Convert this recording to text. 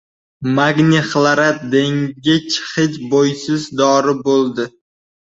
Magniy xlorat degich hid- bo‘ysiz dori bo‘ldi.